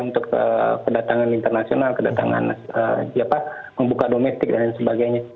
untuk kedatangan internasional kedatangan apa membuka domestik dan sebagainya